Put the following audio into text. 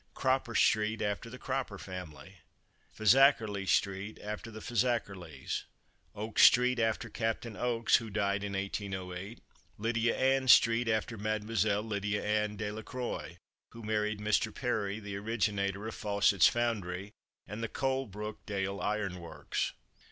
Cropper street after the Cropper family. Fazakerly street after the Fazakerlys. Oakes street after Captain Oakes, who died in 1808. Lydia Ann street after Mademoiselle Lydia Ann De La Croix, who married Mr. Perry, the originator of Fawcett's foundry, and the Coal Brook Dale iron works.